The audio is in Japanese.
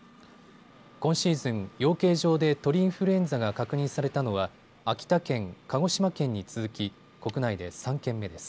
今シーズン、養鶏場で鳥インフルエンザが確認されたのは秋田県、鹿児島県に続き国内で３県目です。